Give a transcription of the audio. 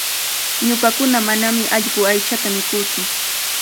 Ñuqakunaqa manami allqu aychata mikuutsu.